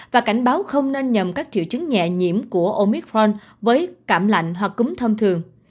và cảnh báo không nên nhầm các triệu chứng nhẹ nhiễm của omicron với cảm lạnh hoặc cúm thông thường